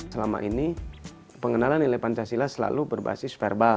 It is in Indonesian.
selama ini pengenalan nilai pancasila selalu berbasis verbal